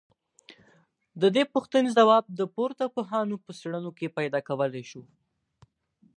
ددې پوښتني ځواب د پورته پوهانو په څېړنو کي پيدا کولای سو